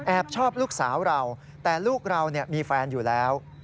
ชอบลูกสาวเราแต่ลูกเรามีแฟนอยู่แล้ว